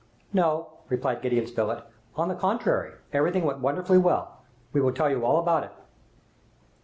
"No," replied Gideon Spilett; "on the contrary, everything went wonderfully well. We will tell you all about it."